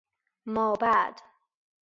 ما بعد